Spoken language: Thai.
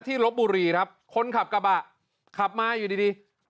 ลบบุรีครับคนขับกระบะขับมาอยู่ดีดี